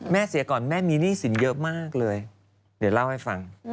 เสียก่อนแม่มีหนี้สินเยอะมากเลยเดี๋ยวเล่าให้ฟัง